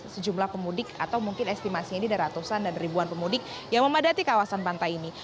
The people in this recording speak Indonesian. sejumlah pemudik atau mungkin estimasinya ini ada ratusan dan ribuan pemudik yang memadati kawasan pantai ini